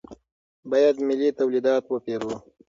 باید ملي تولیدات وپېرو.